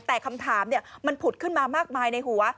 แต่คำถามมันผุดขึ้นมามากมายในหัว